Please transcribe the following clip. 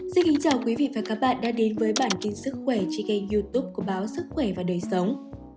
xin kính chào quý vị và các bạn đã đến với bản tin sức khỏe trên kênh youtube của báo sức khỏe và đời sống